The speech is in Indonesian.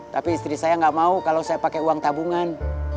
tapi istri saya nggak mau kalau saya pakai uang tabungan